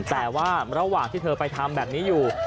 แต่ว่าระหว่างที่เธอไปทำแบบนี้อยู่